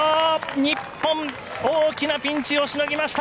日本、大きなピンチをしのぎました！